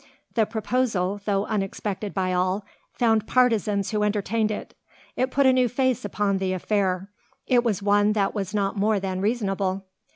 The proposal, though unexpected by all, found partisans who entertained it. It put a new face upon the affair. It was one that was not more than reasonable.